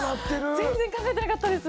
全然考えてなかったです。